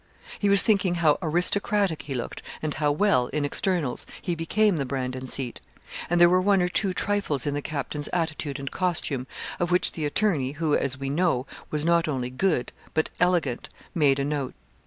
He was thinking how aristocratic he looked and how well, in externals, he became the Brandon seat; and there were one or two trifles in the captain's attitude and costume of which the attorney, who, as we know, was not only good, but elegant, made a note.